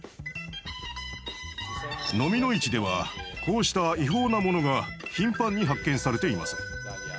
ノミの市ではこうした違法なものが頻繁に発見されています。